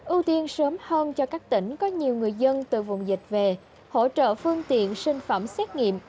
ưu tiên sớm hơn cho các tỉnh có nhiều người dân từ vùng dịch về hỗ trợ phương tiện sinh phẩm xét nghiệm